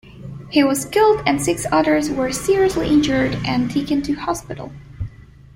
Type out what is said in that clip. He was killed and six others were seriously injured and taken to hospital.